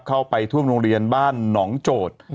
เข้าไปท่วมโรงเรียนบ้านหนองโจทย์